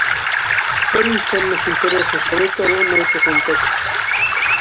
Por isto nos interesan sobre todo noutro contexto.